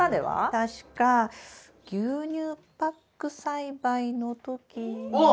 確か牛乳パック栽培の時に。え？